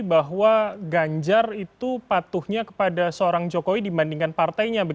bahwa ganjar itu patuhnya kepada seorang jokowi dibandingkan partainya